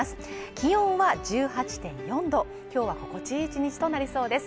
気温は１８．４度今日は心地いい１日となりそうです。